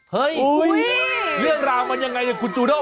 เฮ้ยเรื่องราวมันยังไงครับคุณจูด้มโอ้โอ้โอ้